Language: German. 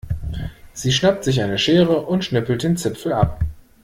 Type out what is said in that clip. Sie schnappt sich eine Schere und schnippelt den Zipfel ab.